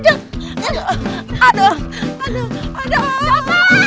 jangan lari cepet